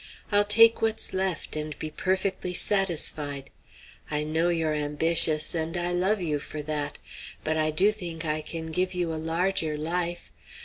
I'll take what's left, and be perfectly satisfied! I know you're ambitious, and I love you for that! But I do think I can give you a larger life.